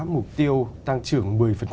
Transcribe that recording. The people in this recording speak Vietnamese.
mục tiêu tăng trưởng một mươi